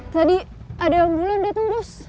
tadi ada ambulan datang bos